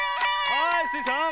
はいスイさん。